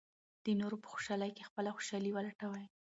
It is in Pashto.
د نورو په خوشالۍ کې خپله خوشالي ولټوئ.